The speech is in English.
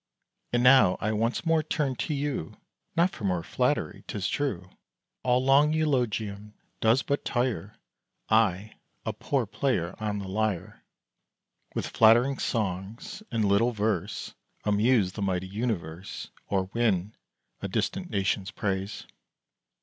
And now I once more turn to you, Not for more flattery. 'Tis true All long eulogium does but tire: I, a poor player on the lyre, With flattering songs, and little verse, Amuse the mighty universe, Or win a distant nation's praise.